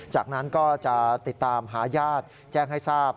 จากนั้นก็จะติดตามหาญาติแจ้งให้ทราบ